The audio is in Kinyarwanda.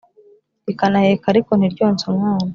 rikanaheka ariko ntiryonse umwana